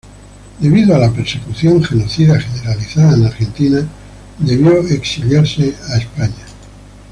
Debido a la persecución genocida generalizada en Argentina debió exiliarse en España.